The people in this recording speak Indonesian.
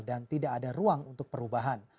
dan tidak ada ruang untuk perubahan